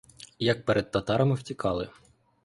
Як перед татарами втікали.